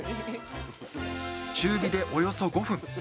中火でおよそ５分。